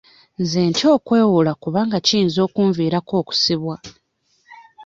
Nze ntya okwewola kubanga kiyinza okunviirako okusibwa.